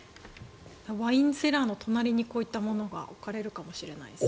ワインセラーの隣にこういったものが置かれるかもしれないですね。